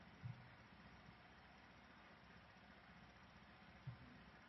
His death generated speculations and further myths.